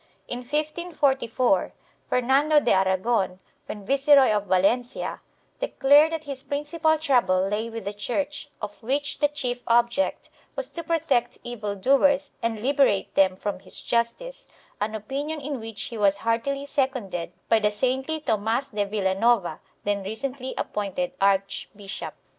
2 In 1544, Fernando de Aragon, when Viceroy of Valencia, declared that his principal trouble lay with the Church, of which the chief object was to protect evil doers and liberate them from his justice, an opinion in which he was heartily seconded by the saintly Tomas de Vilanova, then recently appointed archbishop.